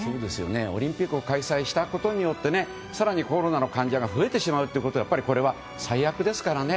オリンピックを開催したことによって更にコロナの患者が増えてしまうことは最悪ですからね。